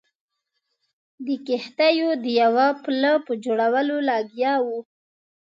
د کښتیو د یوه پله په جوړولو لګیا وو.